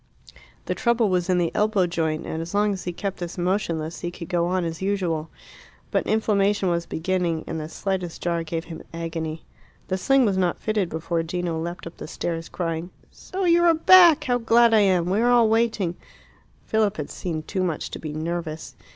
The trouble was in the elbow joint, and as long as he kept this motionless he could go on as usual. But inflammation was beginning, and the slightest jar gave him agony. The sling was not fitted before Gino leapt up the stairs, crying "So you are back! How glad I am! We are all waiting " Philip had seen too much to be nervous.